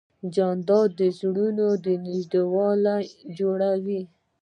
جانداد د زړونو نږدېوالی جوړوي.